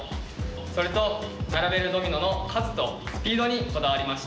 それと並べるドミノの数とスピードにこだわりました！